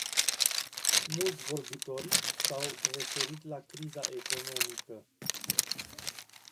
Mulți vorbitori s-au referit la criza economică.